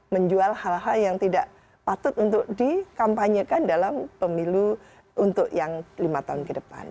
menjual hal hal yang tidak patut untuk dikampanyekan dalam pemilu untuk yang lima tahun ke depan